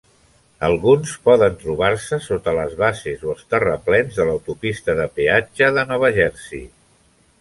Algunes poden trobar-se sota les bases o els terraplens de l'autopista de peatge de Nova Jersey.